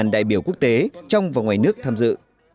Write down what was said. một mươi đại biểu quốc tế trong và ngoài nước tham dự